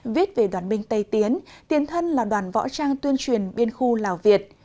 viết về đoàn binh tây tiến tiên thân là đoàn võ trang tuyên truyền biên khu lào việt